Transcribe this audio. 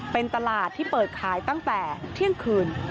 เป็นตลาดที่เปิดขายตั้งแต่เที่ยงคืน